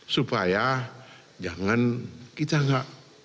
supaya jangan kita enggak